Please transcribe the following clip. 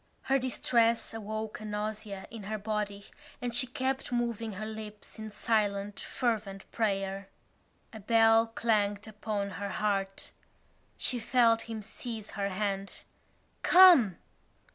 Her distress awoke a nausea in her body and she kept moving her lips in silent fervent prayer. A bell clanged upon her heart. She felt him seize her hand: "Come!"